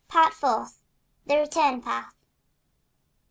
Part Fourth. THE RETURN PATH.